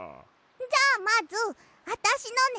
じゃあまずあたしのね！